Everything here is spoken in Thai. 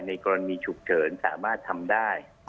กรณีฉุกเฉินสามารถทำได้